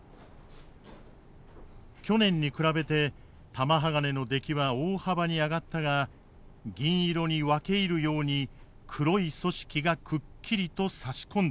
去年に比べて玉鋼の出来は大幅に上がったが銀色に分け入るように黒い組織がくっきりと差し込んでいた。